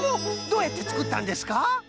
どうやってつくったんですか？